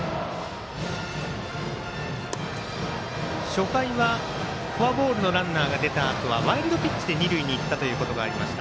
初回はフォアボールのランナーが出たあとワイルドピッチで二塁にいったということがありました。